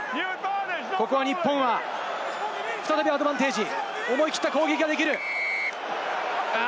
ここは日本は再びアドバンテージ、思い切った攻撃ができる。